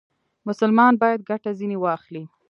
مسلمان باید ګټه ځنې واخلي.